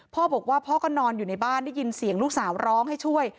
พ่อบอกว่าพ่อก็นอนอยู่ในบ้านได้ยินเสียงลูกสาวร้องให้ช่วย